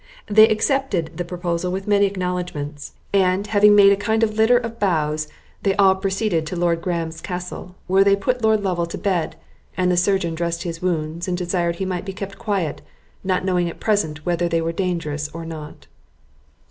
They accepted the proposal with many acknowledgements; and, having made a kind of litter of boughs, they all proceeded to Lord Graham's castle, where they put Lord Lovel to bed, and the surgeon dressed his wounds, and desired he might be kept quiet, not knowing at present whether they were dangerous or not.